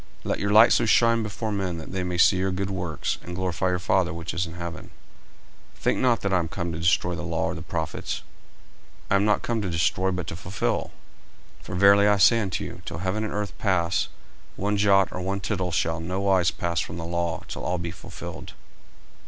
40:005:016 Let your light so shine before men, that they may see your good works, and glorify your Father which is in heaven. 40:005:017 Think not that I am come to destroy the law, or the prophets: I am not come to destroy, but to fulfil. 40:005:018 For verily I say unto you, Till heaven and earth pass, one jot or one tittle shall in no wise pass from the law, till all be fulfilled.